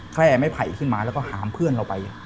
แค่ไม่ไผ่ขึ้นมาแล้วก็หามเพื่อนเราไป